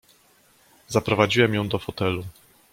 "Zaprowadziłem ją do fotelu."